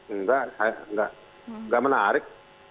enggak enggak enggak menarik